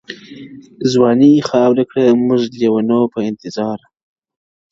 ځواني خاورې کړه مونږه لېونو په انتظار